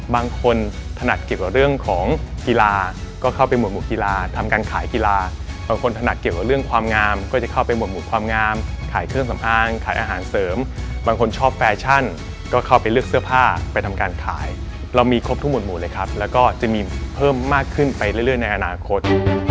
บางคนถนัดเกี่ยวกับเรื่องของกีฬาก็เข้าไปหวดหมุดกีฬาทำการขายกีฬาบางคนถนัดเกี่ยวกับเรื่องความงามก็จะเข้าไปหมดหมุดความงามขายเครื่องสำอางขายอาหารเสริมบางคนชอบแฟชั่นก็เข้าไปเลือกเสื้อผ้าไปทำการขายเรามีครบทุกหมุดเลยครับแล้วก็จะมีเพิ่มมากขึ้นไปเรื่อยในอนาคต